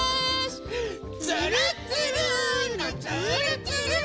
つるっつるーのつーるつる！